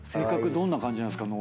どんな感じなんですか？